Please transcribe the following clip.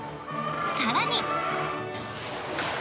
さらに。